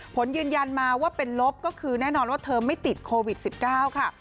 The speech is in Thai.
ผลยืนยันมาว่าเป็นลบก็คือแน่นอนว่าเธอไม่ติดโควิด๑๙ค่ะ